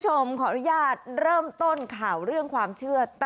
คุณผู้ชมขออนุญาตเริ่มต้นข่าวเรื่องความเชื่อ